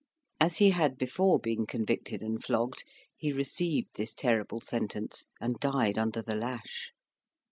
As he had before been convicted and flogged, he received this terrible sentence, and died under the lash.